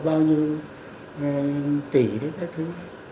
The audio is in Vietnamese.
bao nhiêu tỷ đấy các thứ